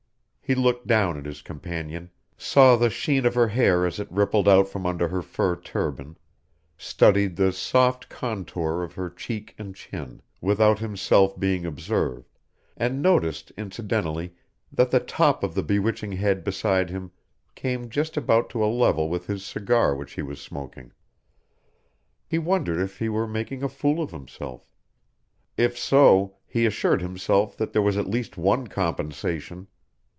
He looked down at his companion; saw the sheen of her hair as it rippled out from under her fur turban, studied the soft contour of her cheek and chin, without himself being observed, and noticed, incidentally, that the top of the bewitching head beside him came just about to a level with his cigar which he was smoking. He wondered if he were making a fool of himself. If so, he assured himself that there was at least one compensation.